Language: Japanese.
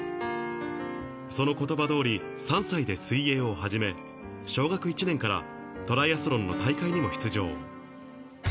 そのことばどおり、３歳で水泳を始め、小学１年からトライアスロンの大会にも出場。